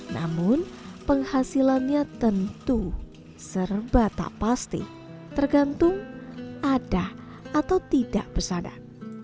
namun penghasilannya tentu serba tak pasti tergantung ada atau tidak pesanan